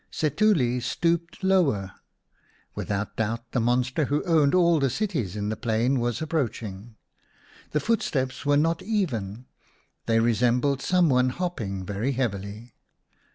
Setuli stooped lower ; without doubt the monster who owned all the cities in the plain was approaching. The footsteps were not even ; they resembled some one hopping very heavily.